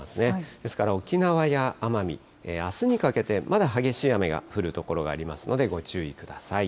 ですから沖縄や奄美、あすにかけて、まだ激しい雨が降る所がありますので、ご注意ください。